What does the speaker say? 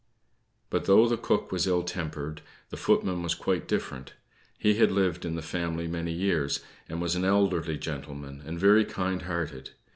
But though the cook was so ill tempered, the footman was quite different. He had lived in the family many years, and was an elderly man, and very kind hearted.